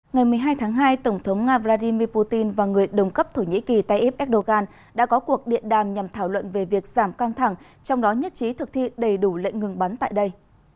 ngày một mươi hai tháng hai tổng thống nga vladimir putin và người đồng cấp thổ nhĩ kỳ tayyip erdogan đã có cuộc điện đàm nhằm thảo luận về việc giảm căng thẳng trong đó nhất trí thực thi đầy đủ lệnh ngừng bắn tại đây